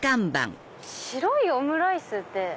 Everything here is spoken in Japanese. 白いオムライスって。